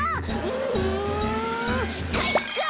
うんかいか！